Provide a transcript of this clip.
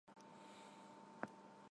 Այն սովորաբար տևում է մի քանի տարի։